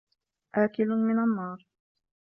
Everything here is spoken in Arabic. آكل من النار